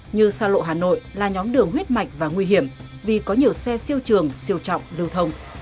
như sao lộ hà nội là nhóm đường huyết mạch và nguy hiểm vì có nhiều xe siêu trường siêu trọng lưu thông